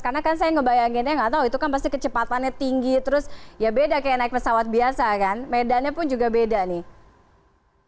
karena kan saya ngebayanginnya nggak tahu itu kan pasti kecepatannya tinggi terus ya beda kayak naik pesawat biasa kan medannya pun juga beda nih